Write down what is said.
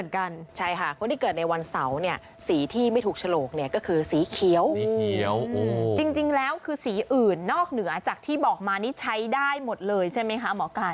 คนที่เกิดในวันเสาร์เนี่ยสีที่ไม่ถูกฉลกก็คือสีเขียวจริงแล้วคือสีอื่นนอกเหนือจากที่บอกมานี้ใช้ได้หมดเลยใช่ไหมคะหมอกาย